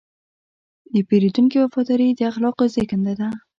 د پیرودونکي وفاداري د اخلاقو زېږنده ده.